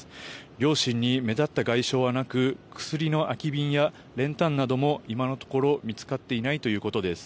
両親に目立った外傷はなく薬の空き瓶や練炭なども今のところ見つかっていないということです。